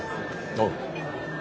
おう。